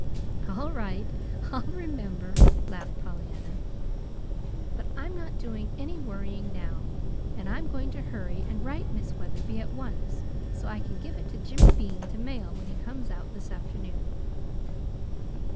"All right, I'll remember," laughed Pollyanna. "But I'm not doing any worrying now; and I'm going to hurry and write Miss Wetherby at once so I can give it to Jimmy Bean to mail when he comes out this afternoon."